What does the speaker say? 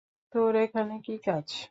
তোর এখানে কী কাজ?